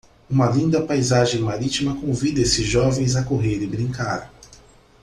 Uma linda paisagem marítima convida esses jovens a correr e brincar.